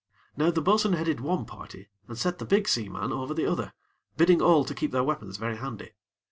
Now the bo'sun headed one party, and set the big seaman over the other, bidding all to keep their weapons very handy.